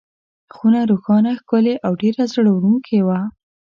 خونه روښانه، ښکلې او ډېره زړه وړونکې وه.